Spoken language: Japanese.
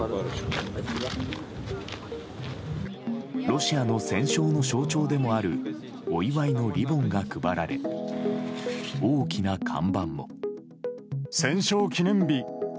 ロシアの戦勝の象徴でもあるお祝いのリボンが配られ大きな看板も。